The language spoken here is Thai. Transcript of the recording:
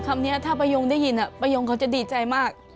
คำนี้ถ้าประยงได้ยินประโยงเขาจะดีใจมาก